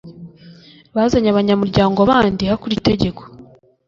Bazanye Abanyamuryango bandi hakurikijwe itegeko